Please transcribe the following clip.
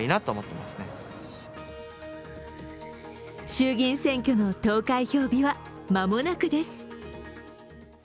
衆議院選挙の投開票日は間もなくです。